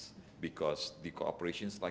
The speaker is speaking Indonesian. kami harus memperbaiki ini